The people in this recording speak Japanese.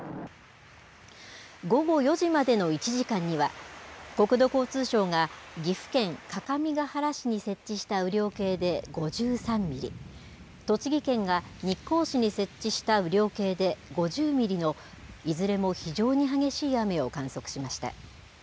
午後４時までの１時間には、国土交通省が岐阜県各務原市に設置した雨量計で５３ミリ、栃木県が日光市に設置した雨量計で５０ミリのいずれも非常に激しい雨を観測しました。